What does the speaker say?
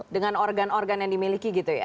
dengan organ organ yang dimiliki gitu ya